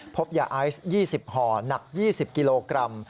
พบยาไอซ์๒๐ห่อหนัก๒๐กิโลกรัม